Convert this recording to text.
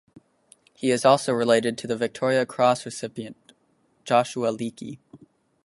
He is also related to the Victoria Cross recipient Joshua Leakey.